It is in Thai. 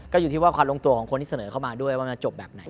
ก็อยู่ที่ว่าความลงตัวของคนที่เสนอเข้ามาด้วยว่ามันจะจบแบบไหน